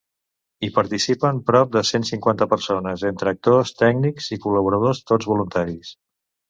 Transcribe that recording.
Hi participen prop de cent cinquanta persones, entre actors, tècnics i col·laboradors, tots voluntaris.